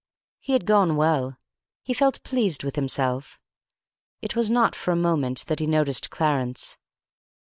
He had gone well. He felt pleased with himself. It was not for a moment that he noticed Clarence.